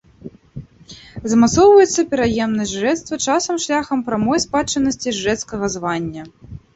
Замацоўваецца пераемнасць жрэцтва, часам шляхам прамой спадчыннасці жрэцкага звання.